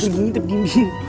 eh ini terdiri tapi dihimpikan